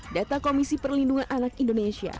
data komisi perlindungan anak indonesia